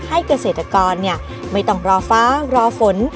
เกษตรกรไม่ต้องรอฟ้ารอฝน